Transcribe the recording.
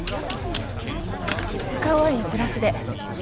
赤ワイングラスで。